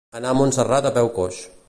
Anar a Montserrat a peu coix.